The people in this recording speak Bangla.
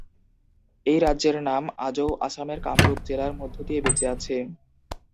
এই রাজ্যের নাম আজও আসামের কামরূপ জেলার মধ্য দিয়ে বেঁচে আছে।